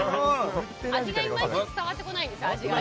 味がいまいち伝わってこないんです。